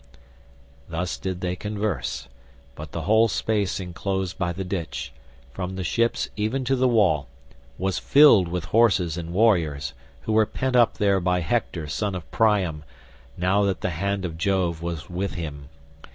Thus did they converse; but the whole space enclosed by the ditch, from the ships even to the wall, was filled with horses and warriors, who were pent up there by Hector son of Priam, now that the hand of Jove was with him.